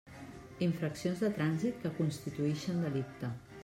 Infraccions de trànsit que constituïxen delicte.